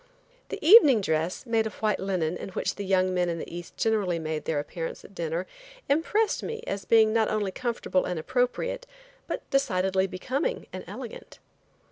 The evening dress, made of white linen, in which the young men in the East generally made their appearance at dinner, impressed me as being not only comfortable and appropriate, but decidedly becoming and elegant.